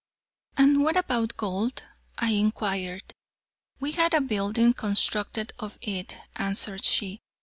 "And what about gold?" I inquired. "We had a building constructed of it," answered she.